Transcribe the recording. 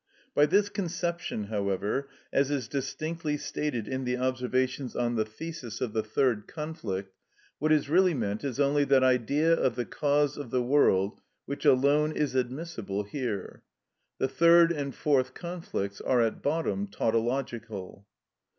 By this conception, however, as is distinctly stated in the observations on the thesis of the third conflict, what is really meant is only that Idea of the cause of the world which alone is admissible here. The third and fourth conflicts are at bottom tautological.